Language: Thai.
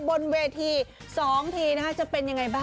บนเวทีสองทีนะครับ